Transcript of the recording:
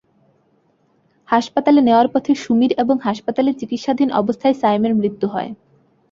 হাসপাতালে নেওয়ার পথে সুমীর এবং হাসপাতালে চিকিৎসাধীন অবস্থায় সায়েমের মৃত্যু হয়।